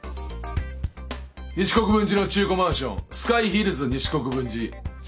西国分寺の中古マンションスカイヒルズ西国分寺。